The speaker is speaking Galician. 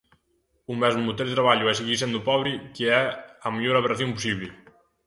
Ou mesmo ter traballo e seguir sendo pobre, que é a maior aberración posible.